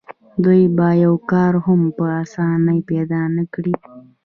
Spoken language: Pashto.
دوی به یو کار هم په اسانۍ پیدا نه کړي